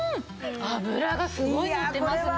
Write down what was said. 脂がすごいのってますね。